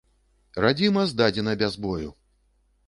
Радзіма здадзена без бою!